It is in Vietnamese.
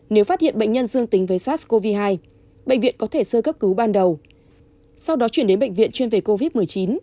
nếu phát hiện bệnh nhân dương tính với sars cov hai bệnh viện có thể sơ cấp cứu ban đầu sau đó chuyển đến bệnh viện chuyên về covid một mươi chín